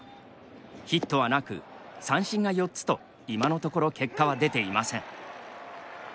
ヒットはなく三振が４つと今のところ結果は出ていません。